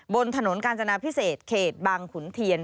บนถนนกาญจนาพิเศษเขตบางขุนเทียน